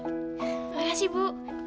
terima kasih bu